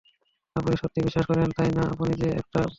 আপনি সত্যি বিশ্বাস করেন, তাই না, আপনি যে একটা ভ্যাম্পায়ার?